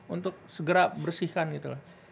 untuk segera bersihkan gitu